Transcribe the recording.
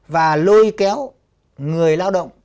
và lôi kéo người lao động